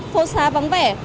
phố xa vắng vẻ